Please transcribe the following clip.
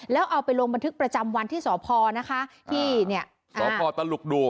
แล้วเอาไปลงบันทึกประจำวันที่สพนะคะที่เนี่ยสพตลุกดู